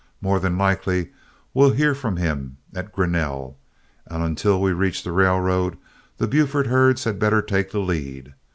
More than likely we'll hear from him at Grinnell, and until we reach the railroad, the Buford herds had better take the lead.